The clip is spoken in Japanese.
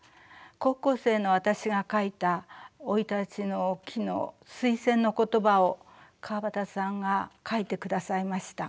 高校生の私が書いた「生い立ちの記」の推薦の言葉を川端さんが書いてくださいました。